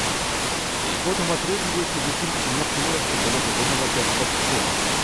І потым атрымліваецца зусім не тое, што было задумана першапачаткова.